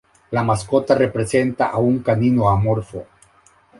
La mascota representa a un canino amorfo.